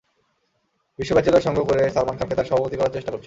বিশ্ব ব্যাচেলর সংঘ করে সালমান খানকে তার সভাপতি করার চেষ্টা করছি।